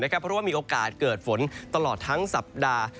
เพราะว่ามีโอกาสเกิดฝนตลอดทั้งสัปดาห์